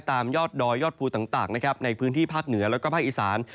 ตามยอดดอยยอดภูต่างในพื้นที่ภาพเหนือและภาคอีสาน